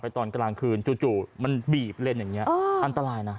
ตอนกลางคืนจู่มันบีบเลนอย่างนี้อันตรายนะ